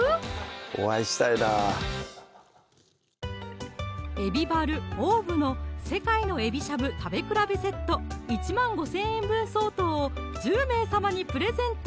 お会いしたいな活海老バルｏｒｂの「世界の海老しゃぶ食べ比べセット」１万５千円分相当を１０名様にプレゼント